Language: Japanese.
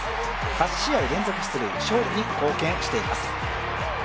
８試合連続出塁、勝利に貢献しています。